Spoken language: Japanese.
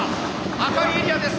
赤いエリアです。